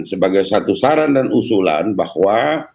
sebagai satu saran dan usulan bahwa